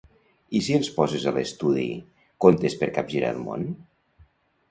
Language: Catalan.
I si ens poses a l'estudi "Contes per capgirar el món"?